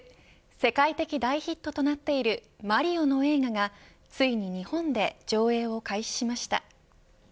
世界的大ヒットとなっているマリオの映画がついに日本で上映を開始しました。